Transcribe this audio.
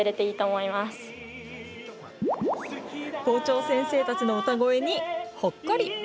校長先生たちの歌声にほっこり！